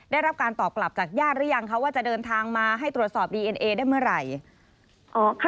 ได้รับการตอบกลับจากญาติหรือยังคะว่าจะเดินทางมาให้ตรวจสอบดีเอ็นเอได้เมื่อไหร่